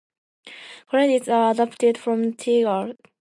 Credits are adapted from Tidal.